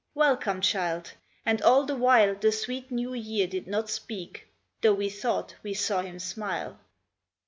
Welcome, child !" And all the while The sweet New Year did not speak, Though we thought we saw him smile.